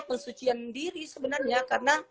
pensucian diri sebenarnya karena